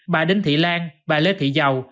bà đinh thị lan bà lê thị dầu